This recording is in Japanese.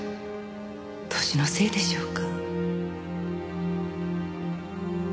年のせいでしょうか。